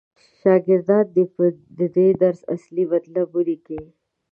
شاګردان دې د دې درس اصلي مطلب ولیکي.